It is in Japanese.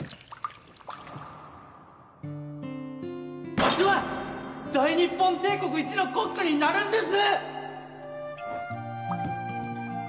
わしはッ大日本帝国一のコックになるんです！